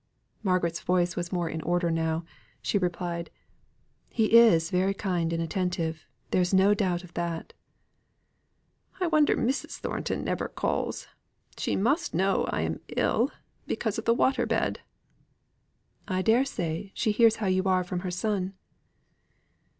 Margaret's voice was more in order now. She replied, "He is very kind and attentive there is no doubt of that." "I wonder Mrs. Thornton never calls. She must know I am ill, because of the water bed." "I dare say, she hears how you are from her son."